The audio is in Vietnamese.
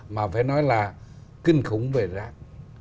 mà phải nói là kinh khủng về rác